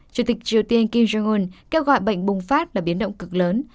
chủ tịch triều tiên kim jong un kêu gọi bệnh bùng phát là biến động cực lớn